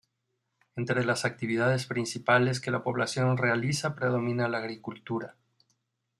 Entre las actividades principales que la población realiza predomina la agricultura.